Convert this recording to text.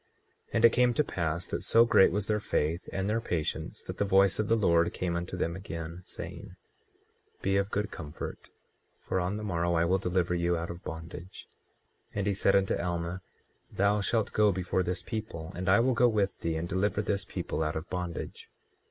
24:16 And it came to pass that so great was their faith and their patience that the voice of the Lord came unto them again, saying: Be of good comfort, for on the morrow I will deliver you out of bondage. 24:17 And he said unto Alma: Thou shalt go before this people, and I will go with thee and deliver this people out of bondage.